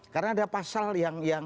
karena ada pasal yang